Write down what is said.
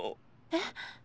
えっ？